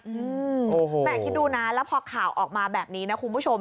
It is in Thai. แม่คิดดูนะแล้วพอข่าวออกมาแบบนี้นะคุณผู้ชม